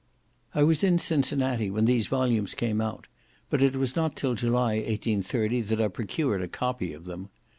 I was in Cincinnati when these volumes came out, but it was not till July, 1830, that I procured a copy of them.